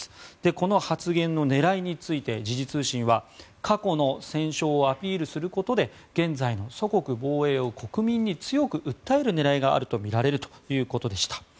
この発言の狙いについて時事通信は過去の戦勝をアピールすることで現在の祖国防衛を国民に強く訴える狙いがあるとみられるということでした。